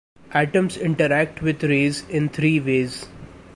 Atoms interact with rays in three ways.